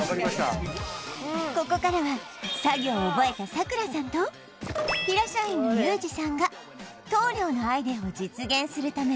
ここからは作業を覚えたさくらさんと平社員のユージさんが棟梁のアイデアを実現するため作業を続けます